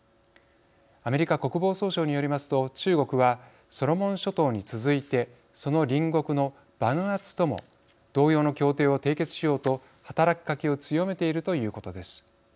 アメリカ国防総省によりますと中国はソロモン諸島に続いてその隣国のバヌアツとも同様の協定を締結しようと働きかけを強めているということです。